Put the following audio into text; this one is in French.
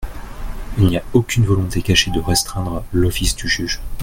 Il n’y a aucune volonté cachée de restreindre l’office du juge.